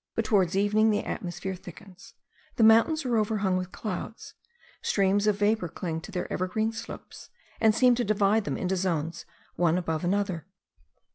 But towards evening the atmosphere thickens; the mountains are overhung with clouds; streams of vapour cling to their evergreen slopes, and seem to divide them into zones one above another.